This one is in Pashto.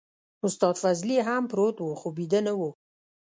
استاد فضلي هم پروت و خو بيده نه و.